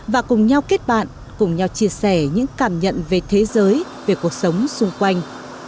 và cùng nhau kết bạn cùng nhau chia sẻ những cảm nhận về thế giới về cuộc sống xung quanh